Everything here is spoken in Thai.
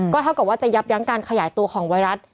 ก็เท่ากับว่าจะยับยั้งการขยายตัวของไวรัสได้นานขึ้น